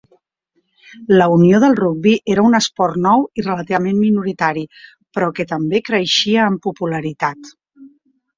La unió de rugbi era un esport nou i relativament minoritari, però que també creixia en popularitat.